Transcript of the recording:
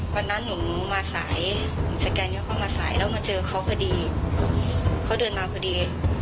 วันนั้นหนูมาสายสแกนเยอะเข้ามาสายแล้วมาเจอเขาพอดีเขาเดินมาพอดี